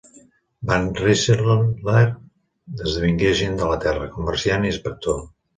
Van Rensselaer esdevingué agent de la terra, comerciant i inspector.